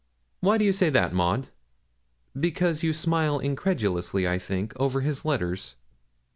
'Why do you say that, Maud?' 'Because you smile incredulously, I think, over his letters.'